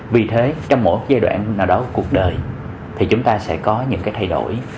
vì thế trong mỗi giai đoạn nào đó của cuộc đời thì chúng ta sẽ có những cái thay đổi